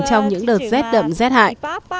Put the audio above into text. trong những đợt rét đậm rét hại